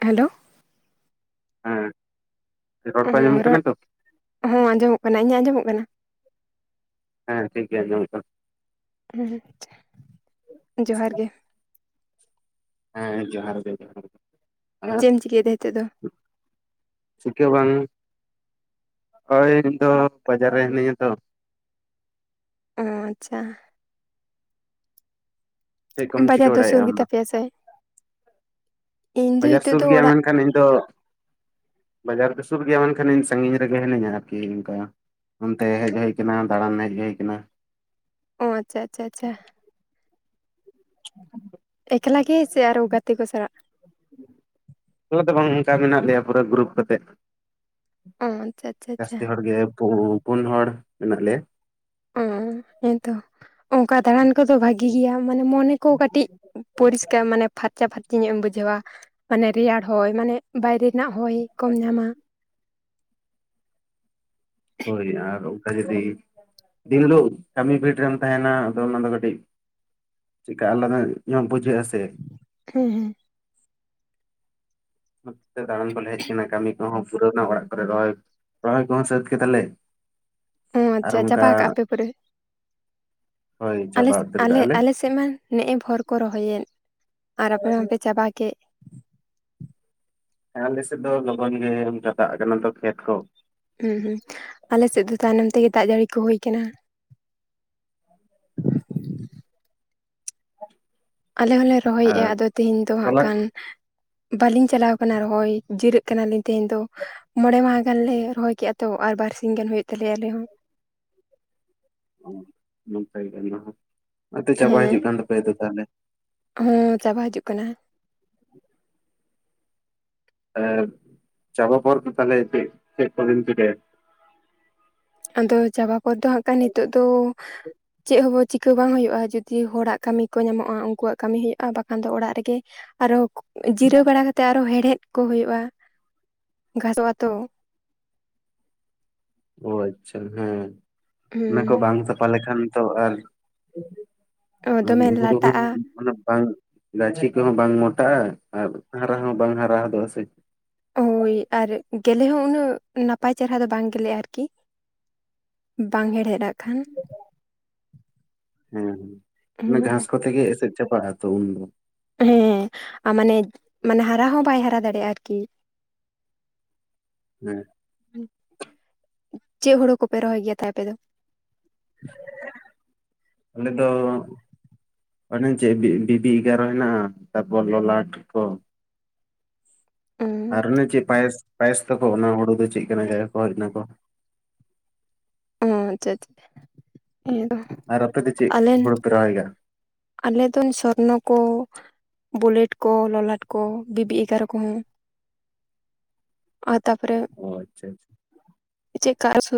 Hello. ᱦᱮᱸ᱾ ᱨᱚᱲ ᱠᱚ ᱦᱚᱸ ᱟᱸᱡᱚᱢᱚᱜ ᱠᱟᱱᱟ ᱨᱚᱲ ᱛᱚ ᱦᱚᱸ ᱟᱸᱡᱚᱢᱚᱜ ᱠᱟᱱᱟ᱾ ᱤᱧᱟᱹᱜ ᱟᱸᱡᱚᱢᱚᱜ ᱠᱟᱱᱟ? ᱦᱮᱸ, ᱴᱷᱤᱠ ᱜᱮ ᱟᱸᱡᱚᱢᱚᱜ ᱠᱟᱱᱟ᱾ ᱦᱮᱸᱦᱮᱸ ᱡᱚᱦᱟᱨ ᱜᱮ᱾ ᱦᱮᱸ ᱡᱚᱦᱟᱨ ᱜᱮ᱾ ᱪᱮᱫ ᱮᱢ ᱪᱤᱠᱟᱹᱭᱮᱫᱟ ᱱᱤᱛᱚᱜ ᱫᱚ [inaudible] ᱪᱤᱠᱟᱹ ᱵᱟᱝ ᱳᱭ ᱤᱧ ᱫᱚ ᱵᱟᱡᱟᱨ ᱨᱮ ᱦᱤᱱᱟᱹᱧᱟ ᱛᱚ᱾ ᱚᱻ ᱟᱪᱪᱷᱟ᱾ ᱪᱮᱫ ᱠᱚᱢ ᱪᱤᱠᱟᱹ ᱵᱟᱡᱟᱨ ᱫᱚ ᱥᱩᱨ ᱵᱟᱲᱟᱭᱮᱫᱼᱟ ᱟᱢ ᱜᱮᱛᱟ ᱯᱮᱭᱟ ᱥᱮ? ᱤᱧ ᱫᱚ ᱵᱟᱡᱟᱨ ᱱᱤᱛᱚᱜ ᱥᱩᱨ ᱫᱚ ᱜᱮᱭᱟ ᱚᱲᱟᱜ ᱢᱮᱱᱠᱷᱟᱱ, ᱤᱧ ᱫᱚ ᱵᱟᱡᱟᱨ ᱫᱚ ᱥᱩᱨ ᱜᱮᱭᱟ ᱢᱮᱱᱠᱷᱟᱱ, ᱤᱧ ᱥᱟᱺᱜᱤᱧ ᱨᱮᱜᱮ ᱦᱤᱱᱟᱹᱧᱟ ᱟᱨᱠᱤ ᱚᱱᱠᱟ᱾ ᱚᱱᱛᱮ ᱦᱮᱡ ᱦᱳᱭ ᱠᱟᱱᱟ ᱫᱟᱬᱟᱱ ᱦᱮᱡ ᱦᱳᱭ ᱠᱟᱱᱟ᱾ ᱚ ᱟᱪᱪᱷᱟ ᱟᱪᱷᱟ ᱟᱪᱷᱟ᱾ [inaudible] ᱮᱠᱞᱟ ᱜᱮ ᱥᱮ ᱟᱨᱚ ᱜᱟᱛᱮ ᱠᱚ ᱥᱟᱞᱟᱜ? ᱮᱠᱞᱟ ᱫᱚ ᱵᱟᱝ ᱚᱱᱠᱟ ᱢᱮᱱᱟᱜ ᱞᱮᱭᱟ ᱯᱩᱨᱟᱹ ᱜᱨᱩᱯ ᱠᱟᱛᱮᱫ᱾ ᱚ ᱟᱪᱪᱷᱟ ᱟᱪᱪᱷᱟ ᱟᱪᱪᱷᱟ ᱡᱟᱹᱥᱛᱤ ᱦᱚᱲ ᱜᱮ ᱯᱩ, ᱯᱩᱱ ᱦᱚᱲ ᱢᱮᱱᱟᱜ ᱞᱮᱭᱟ᱾ ᱚ ᱦᱮᱸᱛᱚ ᱚᱱᱠᱟ ᱫᱟᱬᱟᱱ ᱠᱚᱫᱚ ᱵᱷᱟᱜᱤ ᱜᱮᱭᱟ ᱢᱟᱱᱮ ᱢᱟᱱᱮ ᱠᱚ ᱠᱟᱹᱴᱤᱡ ᱯᱚᱨᱤᱥᱠᱟᱨ ᱢᱟᱱᱮ ᱯᱷᱟᱨᱪᱟ ᱯᱷᱟᱨᱪᱤ ᱧᱚᱜ ᱮᱢ ᱵᱩᱡᱷᱟᱹᱣᱟ᱾ ᱢᱟᱱᱮ ᱨᱮᱭᱟᱲ ᱦᱚᱭ, ᱢᱟᱱᱮ ᱵᱟᱭᱨᱮ ᱨᱮᱱᱟᱜ ᱦᱚᱭ ᱠᱚᱢ ᱧᱟᱢᱟ᱾ ᱦᱳᱭ ᱟᱨ ᱚᱱᱠᱟ ᱡᱩᱫᱤ ᱫᱤᱱᱦᱤᱞᱳᱜ ᱠᱟᱹᱢᱤ ᱯᱷᱤᱴ ᱨᱮᱢ ᱛᱟᱦᱮᱸᱱᱟ ᱟᱫᱚ ᱚᱱᱟ ᱫᱚ ᱠᱟᱹᱴᱤᱡ ᱪᱮᱠᱟ ᱟᱞᱟᱫᱟ ᱧᱚᱜ ᱵᱩᱡᱷᱟᱹᱜ ᱟᱥᱮ᱾ ᱦᱮᱸ ᱦᱮᱸ ᱛᱮ ᱫᱟᱬᱟᱱ ᱠᱚᱞᱮ ᱦᱮᱡ ᱟᱠᱟᱱᱟ ᱠᱟᱹᱢᱤ ᱠᱚᱦᱚᱸ ᱯᱩᱨᱟᱹᱣᱱᱟ ᱚᱲᱟᱜ ᱠᱚᱨᱮ ᱨᱚᱦᱚᱭ ᱨᱚᱦᱚᱭ ᱠᱚᱦᱚᱸ ᱥᱟᱹᱛ ᱠᱮᱫᱟᱞᱮ᱾ ᱚ ᱟᱪᱪᱷᱟ ᱟᱨ ᱟᱪᱪᱷᱟ ᱚᱱᱠᱟ ᱪᱟᱵᱟ ᱟᱠᱟᱜᱼᱟ ᱯᱮ ᱯᱚᱨᱮ ᱦᱳᱭ ᱟᱞᱮ ᱪᱟᱵᱟ ᱩᱛᱟᱹᱨ ᱟᱞᱮ ᱠᱟᱜᱼᱟ ᱞᱮ ᱟᱞᱮᱥᱮᱫ ᱢᱟ ᱱᱮᱜᱼᱮ ᱵᱳᱨ ᱠᱚ ᱨᱚᱦᱚᱭᱮᱫ᱾ ᱟᱨ ᱟᱯᱮ ᱢᱟᱯᱮ ᱪᱟᱵᱟ ᱠᱮᱫ᱾ ᱦᱮᱸ ᱟᱞᱮ ᱥᱮᱫ ᱫᱚ ᱞᱚᱜᱚᱱ ᱜᱮ ᱚᱱᱠᱟ ᱫᱟᱜ ᱟᱠᱟᱱᱟ ᱛᱚ ᱠᱷᱮᱛ ᱠᱚ᱾ ᱦᱩᱸ ᱦᱩᱸ ᱟᱞᱮᱥᱮᱫ ᱫᱚ ᱛᱟᱭᱱᱚᱢ ᱛᱮᱜᱮ ᱫᱟᱜ ᱡᱟᱹᱲᱤ ᱠᱚ ᱦᱩᱭ ᱟᱠᱟᱱᱟ᱾ ᱟᱞᱮ ᱦᱚᱸᱞᱮ ᱨᱚᱦᱚᱭᱮᱫᱼᱟ ᱟᱨ ᱟᱫᱚ ᱛᱮᱦᱤᱧ ᱫᱚ ᱦᱟᱸᱜ ᱛᱚᱞᱟ ᱠᱷᱟᱱ, ᱵᱟᱹᱞᱤᱧ ᱪᱟᱞᱟᱣ ᱠᱟᱱᱟ ᱨᱚᱦᱚᱭ, ᱡᱤᱨᱟᱹᱜ ᱠᱟᱱᱟᱞᱤᱧ ᱛᱮᱦᱮᱧ ᱫᱚ᱾ ᱢᱚᱬᱮ ᱢᱟᱦᱟ ᱜᱟᱱᱞᱮ ᱨᱚᱦᱚᱭ ᱠᱮᱫᱼᱟ ᱛᱚ, ᱟᱨ ᱵᱟᱨᱥᱤᱧ ᱜᱟᱱ ᱦᱩᱭᱩᱜ ᱛᱟᱞᱮᱭᱟ ᱟᱞᱮᱦᱚᱸ᱾ ᱱᱚᱝᱠᱟ ᱜᱮ ᱚᱱᱟ ᱦᱚᱸ ᱪᱟᱵᱟᱭ ᱦᱮᱸ ᱦᱤᱡᱩᱜ ᱠᱟᱱ ᱛᱟᱯᱮᱭᱟ ᱛᱟᱦᱚᱞᱮ᱾ ᱦᱚᱸ ᱪᱟᱵᱟ ᱦᱤᱡᱩᱜ ᱠᱟᱱᱟ᱾ ᱮ ᱪᱟᱵᱟ ᱯᱚᱨ ᱛᱟᱦᱚᱞᱮ ᱪᱮᱫ ᱠᱚ ᱵᱤᱱ ᱪᱤᱠᱟᱹᱭᱟ? ᱟᱫᱚ ᱪᱟᱵᱟ ᱯᱚᱨ ᱫᱚ ᱦᱚᱸ ᱠᱷᱟᱱ ᱱᱤᱛᱚᱜ ᱫᱚ ᱪᱮᱫ ᱦᱚᱸ ᱪᱤᱠᱠᱟ ᱵᱟᱝ ᱦᱩᱭᱩᱜᱼᱟ᱾ ᱡᱚᱫᱤ ᱦᱚᱲᱟᱜ ᱠᱟᱹᱢᱤ ᱠᱚ ᱧᱟᱢᱚᱜᱼᱟ, ᱩᱱᱠᱩᱣᱟᱜ ᱠᱟᱹᱢᱤ ᱦᱩᱭᱩᱜᱭᱼᱟ, ᱵᱟᱠᱷᱟᱱ ᱫᱚ ᱚᱲᱟᱜ ᱨᱮᱜᱮ ᱟᱨᱚ ᱡᱤᱨᱟᱹᱣ ᱵᱟᱲᱟ ᱠᱟᱛᱮ᱾ ᱛᱮ ᱟᱨᱦᱚᱸ ᱦᱮᱲᱦᱮᱫ ᱠᱚ ᱦᱩᱭᱩᱜᱼᱟ, ᱜᱷᱟᱥᱚᱜ ᱟᱛᱚ᱾ ᱚ ᱟᱪᱪᱷᱟ, ᱦᱮᱸ ᱚᱱᱟ ᱠᱚ ᱦᱩᱸ ᱵᱟᱝ ᱥᱟᱯᱷᱟ ᱞᱮᱠᱷᱟᱱ ᱛᱚ ᱟᱨ [inaudible] ᱫᱚᱢᱮ ᱞᱟᱴᱟᱜᱼᱟ ᱜᱟᱹᱪᱷᱤ ᱠᱚᱦᱚᱸ ᱵᱟᱝ ᱢᱚᱴᱟᱜᱼᱟ ᱟᱨ ᱦᱟᱨᱟ ᱦᱚᱸ ᱵᱟᱝ ᱦᱟᱨᱟ ᱦᱚᱫᱚᱜᱼᱟ ᱥᱮ ᱳᱭ ᱟᱨ ᱜᱮᱞᱮ ᱦᱚᱸ ᱩᱱᱟᱹᱜ ᱱᱟᱯᱟᱭ ᱪᱮᱨᱦᱨᱟ ᱫᱚ ᱵᱟᱝ ᱜᱮᱞᱮᱜᱼᱟ ᱟᱨᱠᱤ ᱵᱟᱝ ᱦᱮᱲᱮᱫ ᱟᱜ ᱠᱷᱟᱱ ᱦᱮᱸ ᱦᱮᱸ ᱚᱱᱟ ᱜᱷᱟᱥ ᱠᱚᱛᱮᱜ ᱜᱮ ᱮᱥᱮᱫ ᱪᱟᱵᱟᱜ ᱟ ᱛᱚ ᱩᱱᱫᱚ ᱦᱮᱸ ᱟᱨ ᱢᱟᱱᱮ ᱢᱟᱱᱮ ᱦᱟᱨᱟ ᱦᱚᱸ ᱵᱟᱭ ᱦᱟᱨᱟ ᱫᱟᱲᱮᱭᱟᱜᱼᱟ ᱟᱨᱠᱤ ᱠᱤ [inaudible] ᱦᱮᱸ ᱪᱮᱫ ᱦᱩᱲᱩ ᱠᱚᱯᱮ ᱨᱚᱦᱚᱭ ᱜᱮᱭᱟ ᱛᱟᱭ ᱟᱯᱮ ᱫᱚ? ᱟᱞᱮ ᱫᱚ᱾ ᱟᱱᱮ ᱪᱮᱫ ᱵᱤᱵᱤ ᱮᱜᱟᱨᱚ ᱦᱮᱱᱟᱜᱼᱟ ᱛᱟᱯᱚᱨ ᱞᱚᱞᱟᱴ ᱠᱚ ᱚ ᱟᱨ ᱚᱱᱮ ᱪᱮᱫ ᱯᱟᱭᱮᱥ ᱯᱟᱭᱮᱥ ᱛᱟᱠᱚ ᱚᱱᱟ ᱦᱩᱲᱩ ᱫᱚ ᱪᱮᱫ ᱠᱟᱱᱟ [unintelligible] ᱠᱚ ᱦᱮᱡ ᱱᱟᱠᱚ ᱚ ᱟᱪᱷᱟ [unintelligible] ᱟᱨ ᱟᱯᱮ ᱫᱚ ᱪᱮᱫ ᱦᱩᱲᱩ ᱯᱮ ᱨᱚᱦᱚᱭᱟ? ᱟᱞᱮ ᱫᱚᱱ ᱥᱚᱨᱱᱚ ᱠᱚ ᱵᱩᱞᱮᱴ ᱠᱚ ᱞᱚᱞᱟᱴ ᱠᱚ ᱵᱤᱵᱤ ᱮᱜᱟᱨᱚ ᱠᱚᱦᱚᱸ [inaudible] ᱟᱨ ᱛᱟᱨᱯᱚᱨᱮ ᱚ ᱟᱪᱪᱷᱟ ᱟᱪᱪᱷᱟ ᱪᱮᱫᱠᱟ ᱥᱚ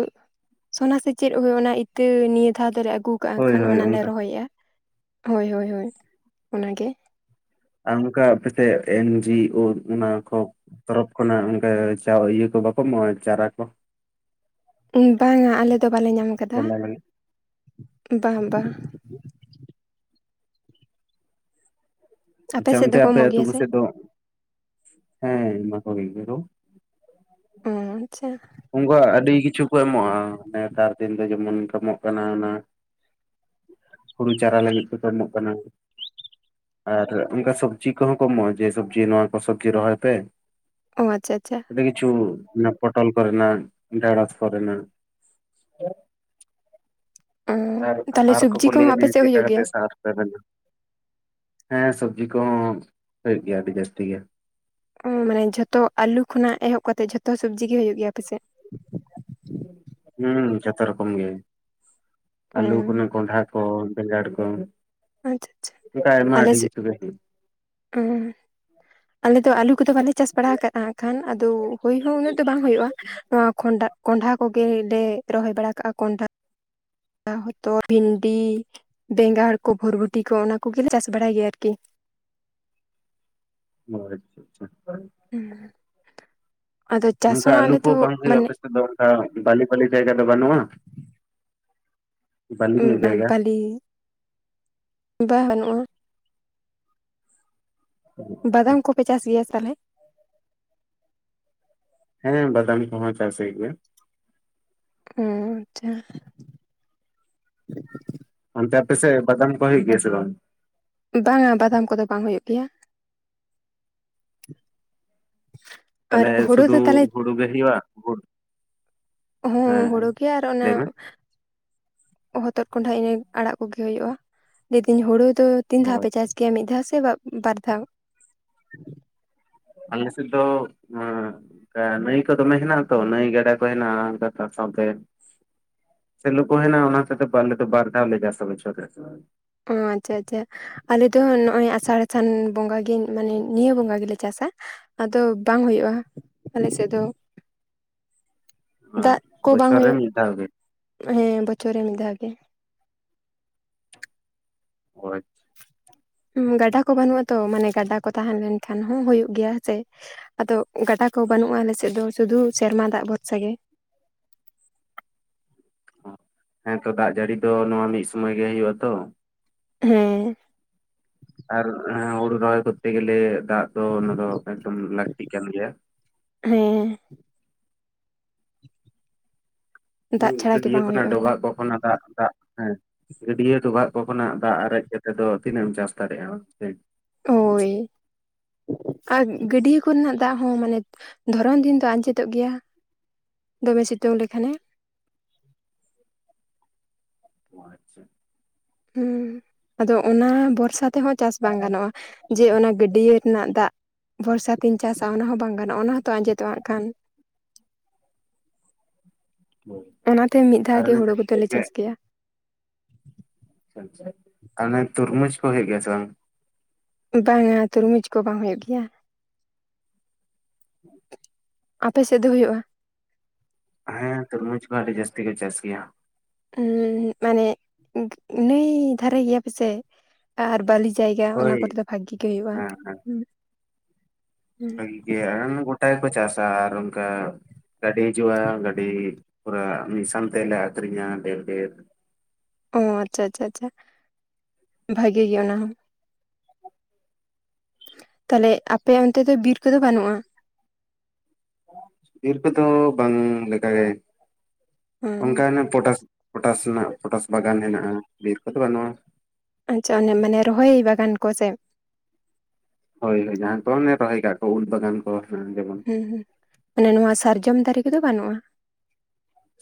ᱥᱚᱱᱟ ᱥᱮ ᱪᱮᱫ ᱦᱩᱭᱩᱜ ᱚᱱᱟ ᱤᱛᱟᱹ ᱱᱤᱭᱟᱹ ᱫᱷᱟᱣ ᱛᱮᱷᱟᱨᱮ ᱟᱹᱜᱩ [unintelligible] ᱦᱳᱭ ᱠᱷᱟᱱ ᱦᱳᱭ ᱚᱱᱟᱞᱮ ᱚᱱᱠᱟ ᱨᱚᱦᱚᱭᱮᱫᱼᱟ ᱦᱳᱭ ᱦᱳᱭ ᱚᱱᱟᱱᱟᱜᱮ [unintelligible] ᱛᱚᱨᱚᱯ ᱠᱷᱚᱱᱟᱜ ᱚᱱᱠᱟ ᱪᱟ ᱤᱭᱟᱹ ᱠᱚ ᱵᱟᱠᱚ ᱮᱢᱚᱜᱼᱟ ᱪᱟᱨᱟ ᱠᱚ ᱵᱟᱝᱟ ᱟᱞᱮ ᱫᱚ ᱵᱟᱞᱮ ᱧᱟᱢ ᱟᱠᱟᱫᱟ ᱛᱚᱞᱟ ᱞᱟᱹᱜᱤᱫ ᱵᱟᱝ ᱵᱟᱝ ᱥᱮᱫ [unintelligible] ᱫᱚᱠᱚ ᱟᱯᱮ ᱮᱢᱚᱜ ᱟᱛᱩ ᱜᱮᱭᱟ ᱠᱚ ᱥᱮ ᱥᱮᱫ ᱫᱚ ᱦᱮᱸ [unintelligible] ᱦᱩᱸ ᱟᱪᱪᱷᱟ ᱩᱱᱠᱩᱣᱟᱜ ᱟᱹᱰᱤ ᱠᱤᱪᱷᱩ ᱠᱚ ᱮᱢᱚᱜᱼᱟ ᱱᱮᱛᱟᱨ ᱫᱤᱱ ᱫᱚ ᱡᱮᱢᱚᱱ ᱠᱟ ᱮᱢᱚᱜ ᱠᱟᱱᱟ ᱚᱱᱟ ᱦᱩᱲᱩ ᱪᱟᱨᱟ ᱞᱟᱹᱜᱤᱫ ᱠᱚᱠᱚ ᱮᱢᱚᱜ ᱠᱟᱱᱟ ᱟᱨ ᱚᱱᱠᱟ ᱥᱚᱵᱽᱡᱤ ᱠᱚᱦᱚᱸ ᱠᱚ ᱮᱢᱚᱜᱼᱟ ᱡᱮ ᱥᱚᱵᱡᱤ ᱱᱚᱣᱟ ᱠᱚ ᱥᱚᱵᱡᱤ ᱨᱚᱦᱚᱭ ᱯᱮ ᱚ ᱟᱪᱪᱷᱟ ᱟᱪᱪᱷᱟ ᱠᱤᱪᱩ [unintelligible] ᱚᱱᱟ ᱯᱚᱴᱚᱞ ᱠᱚᱨᱮᱱᱟ ᱰᱮᱲᱚᱥ ᱠᱚᱨᱮᱱᱟ ᱚ ᱛᱟᱦᱚᱞᱮ ᱥᱚᱵᱽᱡᱤ ᱠᱚᱦᱚᱸ ᱟᱯᱮ ᱥᱮᱫ ᱦᱩᱭᱩᱜ ᱜᱮᱭᱟ [unintelligible] ᱦᱮᱸ ᱥᱚᱵᱽᱡᱤ ᱠᱚᱦᱚᱸ ᱦᱩᱭᱩᱜ ᱜᱮᱭᱟ ᱟᱹᱰᱤ ᱡᱟᱹᱥᱛᱤ ᱜᱮ ᱚ ᱢᱟᱱᱮ ᱡᱷᱚᱛᱚ ᱟᱞᱩ ᱠᱷᱚᱱᱟᱜ ᱮᱦᱚᱵ ᱠᱟ ᱠᱟᱛᱮᱜ ᱡᱷᱚᱛᱚ ᱥᱚᱵᱽᱡᱤ ᱜᱮ ᱦᱩᱭᱩᱜ ᱜᱮᱭᱟ ᱟᱯᱮᱥᱮᱫ ᱦᱮᱸ ᱡᱚᱛᱚ ᱨᱚᱠᱚᱢ ᱜᱮ ᱚ ᱟᱞᱩ ᱠᱚ ᱠᱚᱱᱰᱷᱟ ᱦᱚᱭ ᱵᱮᱸᱜᱟᱲᱠᱚ ᱟᱪᱪᱷᱟ ᱟᱪᱪᱷᱟ ᱚᱱᱠᱟ ᱟᱭᱢᱟ ᱟᱹᱰᱤ ᱠᱤᱪᱷᱩᱜᱮ ᱦᱩᱸ [unintelligible] ᱟᱞᱮ ᱫᱚ ᱟᱞᱩ ᱠᱚᱫᱚ ᱵᱟᱞᱮ ᱪᱟᱥ ᱵᱟᱲᱟ ᱟᱠᱟᱫᱼᱟ ᱠᱷᱟᱱ ᱟᱫᱚ ᱦᱩᱭᱳᱭ ᱦᱚᱸ ᱩᱱᱟᱹᱜ ᱫᱚ ᱵᱟᱝ ᱦᱩᱭᱩᱜᱼᱟ ᱱᱚᱣᱟ ᱠᱚᱸᱰᱷᱟ ᱠᱚᱸᱰᱷᱟ ᱠᱚᱜᱮᱞᱮ ᱨᱚᱦᱚᱭ ᱵᱟᱲᱟ ᱠᱟᱜᱼᱟ ᱠᱚᱸᱰᱷᱟ ᱦᱚᱛᱚ ᱵᱷᱤᱱᱰᱤ ᱵᱮᱸᱜᱟᱲ ᱠᱚ ᱵᱷᱚᱨᱵᱚᱴᱤ ᱠᱚ ᱚᱱᱟ ᱠᱚᱜᱮᱞᱮ ᱪᱟᱥ ᱵᱟᱲᱟᱭ ᱜᱮᱭᱟ ᱟᱨᱠᱤ ᱟᱪᱪᱷᱟ ᱟᱪᱪᱷᱟ [unintelligible] ᱦᱩ ᱟᱫᱚ ᱪᱟᱥ ᱦᱚᱸ ᱟᱞᱮ ᱫᱚ ᱢᱟᱱᱮ ᱟᱫᱚ ᱠᱷᱟᱱ ᱵᱟᱹᱞᱤ ᱵᱟᱹᱞᱤ ᱡᱟᱭᱜᱟ ᱫᱚ ᱵᱟᱹᱱᱩᱜᱼᱟ ᱵᱟᱹᱞᱤ ᱧᱚᱜ [unintelligible] ᱡᱟᱭᱜᱟ ᱵᱟᱹᱞᱤ ᱵᱟᱱᱩᱜ-ᱟ ᱦᱮ [inaudible] ᱵᱟᱫᱟᱢ ᱠᱚᱯᱮ ᱪᱟᱥ ᱜᱮᱭᱟ ᱛᱟᱦᱞᱮ ᱦᱮᱸ ᱵᱟᱫᱟᱢ ᱠᱚᱦᱚᱸ ᱪᱟᱥ ᱦᱩᱭᱩᱜ ᱜᱮᱭᱟ ᱦᱩᱸ ᱟᱪᱪᱷᱟ ᱚᱱᱛᱮ ᱟᱯᱮ ᱥᱮ ᱵᱟᱫᱟᱢ ᱠᱚ ᱦᱩᱭᱩᱜ ᱜᱮᱭᱟ ᱥᱮ ᱵᱟᱝ ᱵᱟᱝᱟ ᱵᱟᱫᱟᱢ ᱠᱚᱫᱚ ᱵᱟᱝ ᱦᱩᱭᱩᱜ ᱜᱮᱭᱟ ᱟᱨ ᱦᱳᱲᱳ ᱥᱩᱫᱩ ᱫᱚ ᱛᱟᱦᱚᱞᱮ ᱦᱩᱲᱩ ᱜᱮ ᱦᱩᱭᱩᱜ ᱟ ᱦᱚᱸ ᱦᱩᱲᱩ ᱜᱮ ᱟᱨ ᱚᱱᱟ ᱞᱟᱹᱭ ᱢᱮ ᱦᱚᱛᱚᱫ ᱠᱚᱸᱰᱷᱟ ᱤᱱᱟᱹ ᱟᱲᱟᱜ ᱠᱚᱜᱮ ᱦᱩᱭᱩᱜᱼᱟ ᱞᱟᱹᱭᱫᱟᱹᱧ ᱦᱩᱲᱩ ᱫᱚ ᱛᱤᱱ ᱫᱷᱟᱣ ᱚ ᱯᱮ ᱪᱟᱥ ᱜᱮᱭᱟ ᱢᱤᱫ ᱫᱷᱟᱣ ᱥᱮ ᱵᱟᱨᱫᱷᱟᱣ ᱟᱞᱮ ᱥᱮ ᱫᱚ ᱱᱟᱹᱭ ᱠᱚ ᱫᱚᱢᱮ ᱦᱮᱱᱟᱜᱼᱟ ᱛᱚ ᱱᱟᱹᱭ ᱜᱟᱰᱟ ᱠᱚ ᱦᱮᱱᱟᱜᱼᱟ ᱠᱟ ᱥᱟᱶ ᱥᱟᱶᱛᱮ ᱥᱮᱞᱚ ᱠᱚ ᱦᱮᱱᱟ ᱚᱱᱟ ᱠᱟᱛᱮ ᱵᱟᱨ ᱫᱷᱟᱶ ᱞᱮ ᱪᱟᱥᱟ ᱵᱚᱪᱷᱚᱨ ᱨᱮ ᱚ ᱟᱪᱪᱷᱟ ᱟᱪᱪᱷᱟ ᱟᱞᱮ ᱫᱚ ᱱᱚᱜᱼᱚᱭ ᱟᱥᱟᱲ ᱥᱟᱱ ᱵᱚᱸᱜᱟᱜᱮ ᱢᱟᱱᱮ ᱱᱤᱭᱟᱹ ᱵᱚᱸᱜᱟ ᱜᱮᱞᱮ ᱪᱟᱥᱟ ᱟᱫᱚ ᱵᱟᱝ ᱦᱩᱭᱩᱜᱼᱟ ᱟᱞᱮ ᱥᱮᱫ ᱫᱚ ᱫᱟᱜ ᱠᱚ ᱵᱟᱝ ᱵᱚᱪᱷᱚᱨ ᱨᱮ ᱦᱩᱭᱩᱜ ᱢᱤᱫ ᱫᱷᱟᱣ ᱜᱮ ᱦᱮᱸ ᱵᱚᱪᱷᱚᱨ ᱨᱮ ᱢᱤᱫ ᱫᱷᱟᱣ ᱜᱮ ᱦᱚᱭ [unintelligible] ᱜᱟᱰᱟ ᱠᱚ ᱵᱟᱹᱱᱩᱜ ᱟᱛᱚ ᱢᱟᱱᱮ ᱜᱟᱰᱟ ᱠᱚ ᱛᱟᱦᱮᱸ ᱞᱮᱱ ᱠᱷᱟᱱ ᱦᱚᱸ ᱦᱩᱭᱩᱜ ᱜᱮᱭᱟᱸ ᱦᱮᱪᱮ ᱟᱫᱚ ᱜᱟᱰᱟ ᱠᱚ ᱵᱟᱹᱱᱩᱜᱼᱟ ᱟᱞᱮᱥᱮᱫ ᱫᱚ ᱥᱩᱫᱷᱩ ᱥᱮᱨᱢᱟ ᱫᱟᱜ ᱵᱷᱚᱨᱥᱟ ᱜᱮ ᱦᱮᱸ ᱛᱚ ᱫᱟᱜ ᱡᱟᱹᱲᱤ ᱫᱚ ᱱᱚᱣᱟ ᱢᱤᱫ ᱥᱩᱢᱚᱭ ᱜᱮ ᱦᱩᱭᱩᱜ ᱟᱛᱚ ᱦᱮᱸ ᱟᱨ ᱦᱩᱲᱩ ᱨᱚᱦᱚᱭ ᱠᱚᱨᱛᱮ ᱜᱮᱞᱮ ᱫᱟᱜ ᱫᱚ ᱚᱱᱟ ᱫᱚ ᱮᱠᱫᱚᱢ ᱞᱟᱹᱠᱛᱤ ᱠᱟᱱ ᱜᱮᱭᱟ ᱦᱮᱸ ᱫᱟᱜ ᱪᱷᱟᱲᱟ ᱜᱮ ᱜᱟᱹᱰᱭᱟᱹ ᱵᱟᱝ ᱠᱷᱱᱟᱜ ᱦᱩᱭᱩᱜᱼᱟ ᱰᱚᱵᱷᱟᱜ ᱠᱚᱠᱷᱚᱱᱟ ᱫᱟᱜ ᱫᱟᱜ ᱦᱮᱸ ᱜᱟᱹᱰᱭᱟᱹ ᱰᱚᱵᱷᱟᱜ ᱠᱚ ᱠᱷᱚᱱᱟᱜ ᱫᱟᱜ ᱟᱨᱮᱡ ᱠᱟᱛᱮᱫ ᱫᱚ ᱛᱤᱱᱟᱹᱜ ᱮᱢ ᱪᱟᱥ ᱫᱟᱲᱮᱭᱟᱜᱼᱟ ᱦᱳᱭ [inaudible] ᱟᱨ ᱜᱟᱹᱰᱭᱟᱹ ᱠᱚᱨᱮᱱᱟᱜ ᱫᱟᱜ ᱦᱚᱸ ᱢᱟᱱᱮ ᱫᱷᱚᱨᱚᱱ ᱫᱤᱱ ᱫᱚ ᱟᱸᱡᱮᱫᱚᱜ ᱜᱮᱭᱟ ᱫᱚᱢᱮ ᱥᱤᱛᱩᱝ ᱞᱮᱠᱷᱟᱱᱮ ᱚ ᱟᱪᱪᱷᱟ ᱦᱮᱸ ᱟᱫᱚ ᱚᱱᱟ ᱵᱚᱨᱥᱟ ᱛᱮᱦᱚᱸ ᱪᱟᱥ ᱵᱟᱝ ᱜᱟᱱᱚᱜᱼᱟ ᱡᱮ ᱚᱱᱟ ᱜᱟᱹᱰᱭᱟᱹ ᱨᱮᱱᱟᱜ ᱫᱟᱜ ᱵᱷᱚᱨᱥᱟ ᱛᱤᱧ ᱪᱟᱥᱟ ᱚᱱᱟ ᱦᱚᱸ ᱵᱟᱝ ᱜᱟᱱᱼᱟ ᱵᱟᱝᱠᱷᱟᱱ ᱚᱱᱟ ᱦᱚᱸᱛᱚ ᱟᱸᱡᱮᱫᱚᱜ ᱠᱷᱟᱱ ᱚᱱᱟᱛᱮ ᱢᱤᱫ ᱫᱷᱟᱣ ᱟᱨ ᱜᱮ ᱚᱱᱮ ᱦᱩᱲᱩ ᱡᱟᱦᱟᱸᱢ ᱞᱟᱹᱭ ᱠᱚᱫᱚᱞᱮ ᱠᱮᱫ ᱪᱟᱥ ᱜᱮᱭᱟ ᱟᱪᱪᱷᱟ ᱟᱪᱪᱷᱟ ᱛᱟᱦᱟᱱᱮ ᱛᱩᱨᱢᱩᱡᱽ ᱠᱚ ᱦᱩᱭᱩᱜ ᱜᱮᱭᱟ ᱥᱮ ᱵᱟᱝ ᱵᱟᱝᱟ ᱛᱩᱨᱢᱩᱡᱽ ᱠᱚ ᱵᱟᱝ ᱦᱩᱭᱩᱜ ᱜᱮᱭᱟ ᱦᱮᱸ [inaudible] ᱟᱯᱮ ᱥᱮᱫ ᱫᱚ ᱦᱩᱭᱩᱜᱼᱟ ᱾ ᱦᱮᱸ ᱛᱚᱨᱢᱩᱡ ᱠᱚᱦᱚ ᱟᱹᱰᱤ ᱡᱟᱹᱥᱛᱤ ᱠᱚ ᱪᱟᱥ ᱜᱮᱭᱟ ᱾ ᱦᱩᱸ ᱦᱩᱸ ᱟᱞᱮ ᱤᱱᱟᱹ ᱫᱷᱟᱨᱮ ᱜᱮᱭᱟ ᱯᱮᱥᱮ ᱟᱨ ᱵᱷᱟᱹᱞᱤ ᱡᱟᱭᱜᱟ ᱚᱱᱟ ᱦᱳᱭ ᱠᱚᱨᱮ ᱫᱚ ᱵᱷᱟᱜᱤ ᱜᱮ ᱦᱩᱭᱩᱜᱼᱟ ᱦᱮᱸ ᱦᱮᱸ ᱦᱩᱸ ᱦᱩᱸ ᱾ [unintelligible] ᱜᱚᱴᱟ ᱜᱮᱠᱚ ᱪᱟᱥ ᱟᱨ ᱚᱱᱠᱟ ᱜᱟᱹᱰᱤ ᱦᱤᱡᱩᱜᱼᱟ ᱜᱟᱹᱰᱤ ᱯᱩᱨᱟᱹ ᱢᱤᱫ ᱥᱟᱶ ᱛᱮᱞᱮ ᱟᱠᱷᱨᱤᱧᱟ ᱰᱷᱮᱨ, ᱰᱷᱮᱨ ᱚ ᱟᱪᱷᱟ, ᱪᱷᱟ, ᱪᱷᱟ ᱵᱷᱟᱜᱤ ᱜᱮ ᱚᱱᱟ ᱦᱚᱸ ᱾ ᱛᱟᱦᱚᱞᱮ ᱟᱯᱮ ᱚᱱᱛᱮ ᱫᱚ ᱵᱤᱨ ᱠᱚᱫᱚ ᱵᱟᱹᱱᱩᱜᱼᱟ? ᱵᱤᱨ ᱠᱚᱫᱚ ᱵᱟᱝ ᱞᱮᱠᱟᱜᱮ ᱦᱮᱸ ᱚᱱᱠᱟᱱ ᱯᱚᱴᱟᱥ ᱯᱚᱴᱟᱥ ᱨᱮᱱᱟᱜ ᱯᱚᱴᱟᱥ ᱵᱟᱜᱟᱱ ᱦᱮᱱᱟᱜᱼᱟ ᱵᱤᱨ ᱠᱚᱫᱚ ᱵᱟᱹᱱᱩᱜᱼᱟ ᱾ ᱟᱪᱪᱷᱟ ᱚᱱᱮ ᱢᱟᱱᱮ ᱨᱚᱦᱚᱭ ᱵᱟᱜᱟᱱ ᱠᱚ ᱥᱮ ᱦᱳᱭ ᱦᱳᱭ ᱡᱟᱦᱟᱸ ᱛᱚᱞᱜᱮ ᱛᱟᱸᱦᱮ ᱠᱟᱜ ᱠᱚ ᱩᱞ ᱵᱟᱜᱟᱱ ᱠᱚ ᱦᱮᱸ ᱡᱮᱢᱚᱱ ᱦᱩᱸ ᱦᱩᱸ ᱱᱚᱣᱟ ᱥᱟᱨᱡᱚᱢ ᱫᱟᱨᱮ ᱠᱚᱫᱚ ᱵᱟᱹᱱᱩᱜᱼᱟ ᱾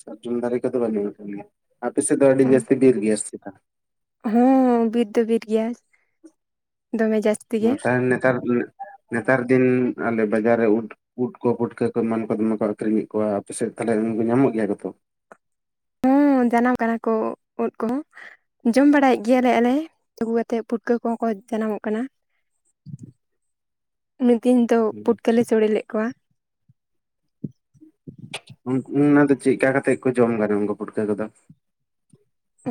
ᱥᱟᱨᱡᱩᱢ ᱫᱟᱨᱮ ᱠᱚᱫᱚ ᱵᱟᱹᱱᱩᱜ ᱟᱠᱟᱫᱟ ᱾ ᱟᱯᱮ ᱥᱮᱫ ᱫᱚ ᱟᱹᱰᱤ ᱚ ᱡᱟᱹᱥᱛᱤ ᱵᱤᱨᱤ ᱜᱮᱭᱟ ᱥᱮᱛᱟ ᱦᱚᱸ ᱵᱤᱨ ᱫᱚ ᱵᱤᱨ ᱜᱮᱭᱟ ᱫᱚᱢᱮ ᱡᱟᱹᱥᱛᱤ ᱾ ᱛᱟᱸᱦᱮ ᱞᱮᱠᱟᱱ ᱱᱮᱛᱟᱨ ᱫᱤᱱ ᱟᱞᱮ ᱵᱟᱡᱟᱨ ᱨᱮ ᱩᱫᱼᱼ ᱩᱫ ᱠᱚ ᱯᱩᱴᱠᱟᱹ ᱠᱚ ᱮᱢᱟᱱ ᱠᱚ ᱫᱚᱢᱮ ᱠᱚ ᱟᱠᱷᱨᱤᱧᱮᱫ ᱠᱚᱣᱟ ᱟᱯᱮᱥᱮᱫ ᱛᱟᱦᱚᱞᱮ ᱩᱱᱠᱩ ᱧᱟᱢᱚᱜ ᱜᱮᱭᱟ ᱠᱚᱛᱚ ᱾ ᱦᱮᱸ ᱡᱟᱱᱟᱢ ᱠᱟᱱᱟ ᱠᱚ ᱩᱫ ᱠᱚᱦᱚᱸ ᱡᱚᱢ ᱵᱟᱲᱟᱭᱮᱫ ᱜᱮᱭᱟᱞᱮ ᱟᱞᱮ ᱟᱹᱜᱩ ᱠᱟᱛᱮᱫ ᱯᱩᱴᱠᱟᱹ ᱠᱚᱦᱚᱸ ᱠᱚ ᱡᱟᱱᱟᱢᱚᱜ ᱠᱟᱱᱟ ᱾ [inaudible] ᱢᱤᱫ ᱫᱤᱱ ᱫᱚ ᱯᱩᱴᱠᱟᱹᱞᱮ ᱥᱚᱲᱮ ᱞᱮᱫ ᱠᱚᱣᱟ [unintelligible] ᱪᱮᱫ ᱠᱟ ᱠᱟᱛᱮᱜ ᱠᱚ ᱡᱚᱢ [unintelligible] ᱯᱩᱴᱠᱟᱹ ᱠᱚᱫᱚ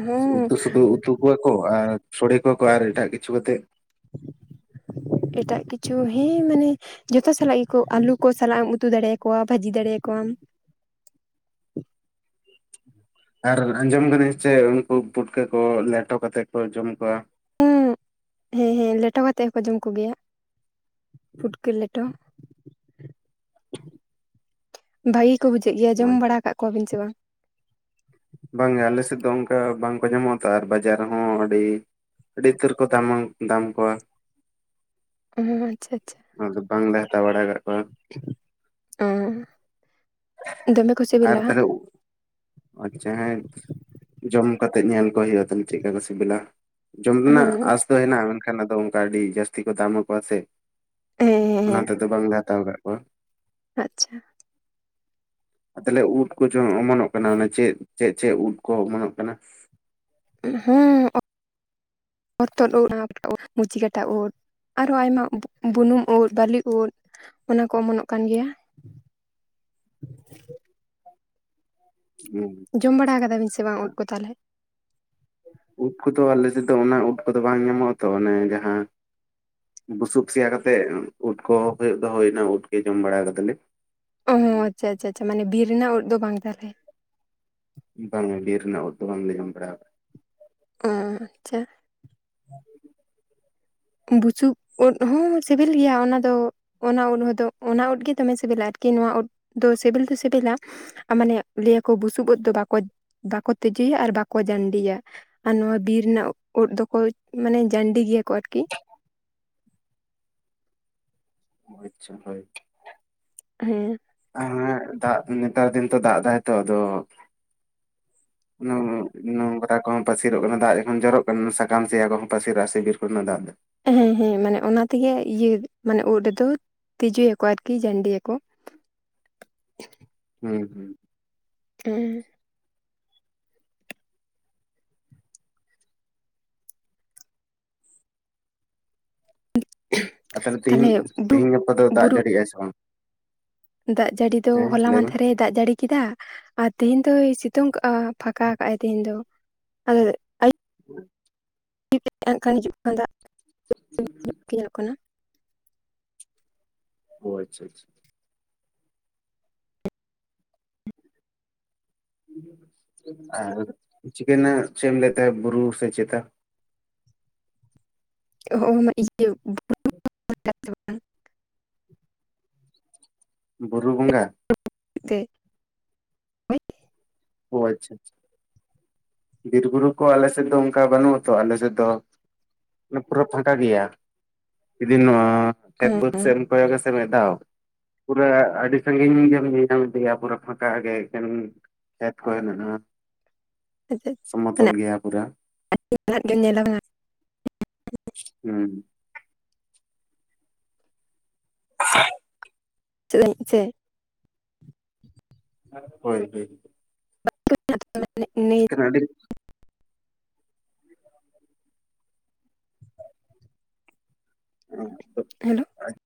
ᱦᱚᱸ ᱩᱛᱩ ᱥᱩᱫᱷᱩ ᱩᱛᱩ ᱠᱚᱣᱟ ᱠᱚ ᱟᱨ ᱥᱚᱲᱮ ᱠᱚᱣᱟ ᱠᱚ ᱟᱨ ᱮᱴᱟᱜ ᱠᱤᱪᱷᱩ ᱠᱟᱛᱮ [inaudible] ᱮᱴᱟᱜ ᱠᱤᱪᱷᱩ ᱦᱮᱸ ᱢᱟᱱᱮ ᱡᱚᱛᱚ ᱥᱟᱞᱟᱜ ᱜᱮᱠᱚ ᱟᱹᱞᱩ ᱠᱚ ᱥᱟᱞᱟᱜ ᱮᱢ ᱩᱛᱩ ᱫᱟᱲᱮ ᱟᱠᱚᱣᱟ ᱵᱷᱟᱹᱡᱤ ᱫᱟᱲᱮ ᱟᱠᱚᱣᱟᱢ ᱾ ᱟᱨ ᱟᱸᱡᱚᱢ ᱞᱮᱫᱟᱹᱧ ᱥᱮ ᱪᱮᱫ ᱩᱱᱠᱩ ᱯᱩᱴᱠᱟᱹ ᱠᱚ ᱞᱮᱴᱚ ᱠᱟᱛᱮᱫ ᱠᱚ ᱡᱚᱢ ᱠᱚᱣᱟ ᱾ ᱦᱚᱸ ᱦᱮᱸ ᱦᱮᱸ ᱞᱮᱴᱚ ᱠᱟᱛᱮᱫ ᱦᱚᱠᱚ ᱡᱚᱢ ᱠᱚᱜᱮᱭᱟ ᱾ ᱯᱷᱩᱴᱠᱟᱹ ᱞᱮᱴᱚ ᱟ ᱵᱷᱟᱜᱤ ᱠᱚ ᱵᱩᱡᱷᱟᱹᱜ ᱜᱮᱭᱟ ᱡᱚᱢ ᱵᱟᱲᱟ ᱠᱟᱜ ᱠᱚᱣᱟᱵᱤᱱ ᱥᱮ ᱵᱟᱝ? ᱵᱟᱝᱜᱮ ᱟᱞᱮ ᱥᱮᱫ ᱫᱚ ᱚᱱᱠᱟ ᱵᱟᱝᱠᱚ ᱧᱟᱢᱚᱜᱼᱟ ᱛᱚ ᱟᱨ ᱵᱟᱡᱟᱨ ᱦᱚᱸ ᱟᱹᱰᱤ ᱟᱹᱰᱤ ᱩᱛᱟᱹᱨ ᱠᱚ ᱫᱟᱢᱟ ᱫᱟᱢ ᱠᱚᱣᱟ ᱾ ᱚ ᱟᱪᱪᱷᱟ, ᱪᱷᱟ ᱾ ᱟᱫᱚ ᱵᱟᱝᱞᱮ ᱦᱟᱛᱟ ᱵᱟᱲᱟ ᱠᱟᱜ ᱠᱚᱣᱟ ᱾ ᱟ ᱫᱚᱢᱮ ᱠᱚ ᱟᱨ ᱥᱤᱵᱤᱞᱟ ᱛᱟᱞ ᱦᱮ ᱟᱪᱪᱷᱟ ᱦᱮᱸ ᱡᱚᱢ ᱠᱟᱛᱮᱜ ᱧᱮᱞ ᱠᱚ ᱦᱳᱭᱳᱜᱼᱟ ᱛᱟᱦᱚᱞᱮ ᱪᱮᱫ ᱠᱟ ᱠᱚ ᱥᱮᱵᱮᱞᱟ ᱾ ᱡᱚᱢ ᱨᱮᱱᱟᱜ ᱦᱚᱸ ᱟᱸᱥ ᱫᱚ ᱦᱮᱱᱟᱜᱼᱟ ᱢᱮᱱᱠᱷᱟᱱ ᱟᱫᱚ ᱚᱱᱠᱟ ᱟᱹᱰᱤ ᱡᱟᱹᱥᱛᱤ ᱠᱚ ᱫᱟᱢ ᱟᱠᱚᱣᱟ ᱥᱮ ᱦᱮᱸ ᱦᱮᱸ ᱚᱱᱟ ᱦᱮᱸ ᱛᱮᱫᱚ ᱵᱟᱝᱞᱮ ᱦᱟᱛᱟᱣ ᱠᱟᱫ ᱠᱚᱣᱟ ᱾ ᱟᱪᱪᱷᱟ ᱾ ᱛᱟᱦᱚᱞᱮ ᱩᱫ ᱠᱚ ᱚᱢᱚᱱᱚᱜ ᱠᱟᱱᱟ ᱢᱟᱱᱮ ᱪᱮᱫ ᱪᱮᱫ ᱪᱮᱫ ᱩᱫ ᱠᱚ ᱚᱢᱚᱱᱚᱜ ᱠᱟᱱᱟ? ᱦᱮᱸ ᱚᱛᱚᱫ ᱳᱫ ᱚᱱᱟ ᱢᱩᱪᱤ ᱠᱟᱴᱟ ᱳᱫ ᱟᱨᱚ ᱟᱭᱢᱟ ᱵᱩᱱᱩᱢ ᱳᱫ ᱵᱟᱹᱞᱤ ᱳᱫ ᱚᱱᱟ ᱠᱚ ᱚᱢᱚᱱᱚᱜ ᱠᱟᱱ ᱜᱮᱭᱟ ᱾ [inaudible] ᱟᱪᱪᱷᱟ ᱡᱚᱢ ᱵᱟᱲᱟ ᱟᱪᱪᱷᱟ, ᱠᱟᱫᱟ ᱵᱤᱱ ᱥᱮ ᱵᱟᱝ ᱳᱫ ᱠᱚ ᱛᱟᱦᱚᱞᱮ? ᱳᱫ ᱠᱚᱫᱚ ᱟᱞᱮ ᱥᱮᱫ ᱚᱱᱟ ᱳᱫ ᱠᱚᱫᱚ ᱵᱟᱝ ᱧᱟᱢᱚᱜᱼᱟ ᱛᱚ ᱚᱱᱮ ᱡᱟᱦᱟᱸ ᱵᱩᱥᱩᱵ ᱥᱮᱭᱟ ᱠᱟᱛᱮᱜ ᱳᱫ ᱠᱚ ᱦᱩᱭᱩᱜ ᱫᱚ ᱦᱳᱭ ᱚᱱᱟ ᱳᱫ ᱜᱮ ᱡᱚᱢ ᱵᱟᱲᱟ ᱠᱟᱫᱟ ᱞᱤᱧ ᱾ ᱚᱸᱻ ᱟᱪᱪᱷᱟ, ᱪᱷᱟ, ᱪᱷᱟ ᱢᱟᱱᱮ ᱵᱤᱨ ᱨᱮᱱᱟᱜ ᱳᱫ ᱫᱚ ᱵᱟᱝ ᱛᱟᱞᱦᱮ ᱵᱟᱝ ᱵᱤᱨ ᱨᱮᱱᱟᱜ ᱳᱫ ᱫᱚ ᱵᱟᱝᱞᱮ ᱧᱟᱢ ᱵᱟᱲᱟ ᱾ ᱚ ᱟᱪᱪᱷᱟ ᱾ ᱦᱮ ᱵᱩᱥᱩᱵ ᱳᱫ ᱦᱚᱸ ᱥᱤᱵᱤᱞ ᱜᱮᱭᱟ ᱚᱱᱟᱫᱚ, ᱚᱱᱟ ᱳᱫ ᱫᱚ ᱚᱱᱟ ᱳᱫ ᱜᱮ ᱫᱚᱢᱮ ᱥᱮᱵᱮᱞᱟ, ᱟᱨᱠᱤ ᱱᱚᱣᱟ ᱳᱫ ᱫᱚ ᱥᱮᱵᱮᱞ ᱫᱚ ᱥᱮᱵᱮᱞᱟ, ᱢᱟᱱᱮ ᱞᱟᱹᱭᱟ ᱠᱚ ᱵᱩᱥᱩᱵ ᱳᱫ ᱫᱚ ᱵᱟ ᱵᱟᱠᱚ ᱛᱮᱡᱳᱭᱟ, ᱟᱨ ᱵᱟᱠᱚ ᱡᱟᱱᱰᱤᱭᱟ ᱾ ᱟᱨ ᱱᱚᱣᱟ ᱵᱤᱨ ᱨᱮᱱᱟᱜ ᱳᱫ ᱫᱚᱠᱚ ᱢᱟᱱᱮ ᱡᱟᱱᱰᱤ ᱜᱮᱭᱟ ᱠᱚ ᱟᱨᱠᱤ, [unintelligible] ᱟᱪᱪᱷᱟ ᱦᱳᱭ ᱦᱮᱸ ᱦᱮᱸ ᱫᱟᱜ ᱱᱮᱛᱟᱨ ᱫᱤᱱ ᱛᱚ ᱫᱟᱜ ᱮᱫᱟᱭ ᱛᱚ ᱟᱫᱚ, ᱱᱚᱝᱨᱟ ᱠᱚᱦᱚᱸ ᱯᱟᱹᱥᱤᱨᱚᱜ ᱠᱟᱱᱟ, ᱫᱟᱜ ᱡᱚᱠᱷᱚᱱ ᱡᱚᱨᱚᱜ ᱠᱟᱱᱟ ᱥᱟᱠᱟᱢ ᱥᱮᱭᱟ ᱠᱚᱦᱚᱸ ᱯᱟᱹᱥᱤᱨᱟᱜᱼᱟ ᱥᱮ ᱵᱤᱨ ᱠᱚᱨᱮᱱᱟᱜ ᱫᱟᱜ ᱫᱚ ᱾ ᱦᱮᱸ ᱦᱮᱸ ᱢᱟᱱᱮ ᱚᱱᱟ ᱛᱮᱜᱮ ᱤᱭᱟᱹ ᱢᱟᱱᱮ ᱳᱫ ᱨᱮᱫᱚ ᱛᱮᱡᱳᱭ ᱟᱠᱚ, ᱟᱨᱠᱤ ᱡᱟᱹᱱᱰᱤᱭ ᱟᱠᱚ ᱾ ᱦᱮᱸ ᱦᱩᱸ ᱦᱮᱸ ᱟᱨ ᱛᱟᱦᱚᱞᱮ ᱛᱮᱦᱤᱧ ᱛᱟᱦᱞᱮ ᱰᱩ ᱛᱮᱦᱤᱧ ᱜᱟᱯᱟ ᱫᱚ ᱫᱟᱜ ᱵᱩᱨᱩ ᱡᱟᱹᱲᱤ ᱮᱜ ᱟᱭ ᱥᱮ ᱵᱟᱝ? ᱫᱟᱜ ᱡᱟᱹᱲᱤ ᱫᱚ ᱦᱮᱸ ᱦᱚᱞᱟ ᱞᱟᱹᱭ ᱢᱮ ᱢᱟᱱᱫᱷᱮᱨ ᱨᱮ ᱫᱟᱜ ᱡᱟᱹᱲᱤ ᱠᱮᱫᱟ ᱾ ᱟᱨ ᱛᱮᱦᱮᱧ ᱫᱚ ᱥᱮᱛᱳᱝ ᱠᱟᱜᱼᱟ, ᱯᱷᱟᱠᱟ ᱠᱟᱜᱼ ᱟᱭ, ᱛᱮᱦᱮᱧ ᱫᱚ ᱟᱫᱚ ᱾ ᱱ ᱠᱷᱟᱱ ᱦᱤᱡᱩᱜ ᱠᱷ ᱫᱟᱜᱠᱧᱚᱜ ᱠᱟᱱᱟ [unintelligible] ᱧᱮᱞᱳᱜ ᱠᱟᱱᱟ ᱾ ᱚ ᱟᱪᱷᱟ ᱟᱪᱷᱟ, ᱟᱨ ᱪᱤᱠᱟᱹᱱᱟ ᱟᱨ ᱪᱮᱫ ᱮᱢ ᱞᱟᱭ ᱛᱟᱦᱮᱱᱟ ᱵᱩᱨᱩ ᱥᱮ ᱪᱮᱛᱟ? ᱚ ᱤᱭᱟᱹ ᱦᱮᱸ [unintelligible] ᱵᱩᱨᱩ ᱵᱚᱸᱜᱟ ᱾ ᱛᱮ ᱢᱟᱱᱮ ᱦᱚᱭ ᱟᱪᱪᱷᱟ ᱪᱷᱟ ᱾ ᱵᱤᱨ ᱵᱩᱨᱩ ᱠᱚ ᱟᱞᱮ ᱥᱮᱫ ᱫᱚ ᱚᱱᱠᱟ ᱵᱟᱹᱱᱩᱜ ᱟᱛᱚ ᱟᱞᱮ ᱥᱮᱫ ᱫᱚ ᱾ ᱯᱩᱨᱟᱹ ᱯᱷᱟᱸᱠᱟ ᱜᱮᱭᱟ, ᱡᱩᱫᱤ ᱱᱚᱣᱟ ᱠᱷᱮᱛ ᱵᱟᱹᱫᱽ ᱥᱮᱡ ᱮᱢ ᱠᱚᱭᱚᱜ ᱟᱥᱮ ᱢᱤᱫ ᱫᱷᱟᱹᱣ, ᱯᱩᱨᱟᱹ ᱟᱹᱰᱤ ᱥᱟᱺᱟᱹᱜᱤᱧ ᱜᱮᱢ ᱧᱮᱞᱧᱟᱢ ᱤᱫᱭᱟ ᱯᱩᱨᱟᱹ ᱯᱷᱟᱸᱠᱟ ᱜᱮ ᱮᱠᱷᱟᱱ ᱾ ᱦᱮᱫ ᱠᱚᱭᱱᱟ ᱟᱪᱪᱷᱟ ᱯᱩᱨᱟᱹ ᱟᱹᱛᱩ ᱚᱲᱟᱜ [unintelligible] ᱧᱮᱞᱟ ᱦᱩᱸ? [unintelligible] ᱪᱮᱫᱟ ᱥᱮ ᱦᱳᱭ ᱦᱳᱭ ᱾ [unintelligible] ᱪᱮ ᱠᱟᱱᱟ ᱟᱰᱤ ᱟᱨ ᱫᱚ ᱦᱮᱞᱳ ᱾ ᱟᱪᱪᱷᱟ ᱾